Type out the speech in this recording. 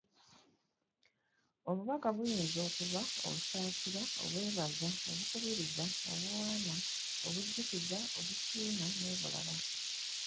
Obubaka buyinza okuba obusaasira, obwebaza, obukubiriza, obuwaana, obujjukiza, obusiima n'obulala.